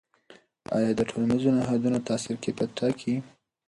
آیا د ټولنیزو نهادونو تاثیر کیفیت ټاکي؟